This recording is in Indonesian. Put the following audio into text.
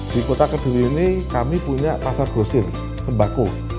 di kota kediri ini kami punya pasar gosir sembako